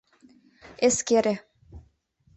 «Эскере.